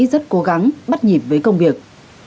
rất cố gắng bắt nhịp với công việc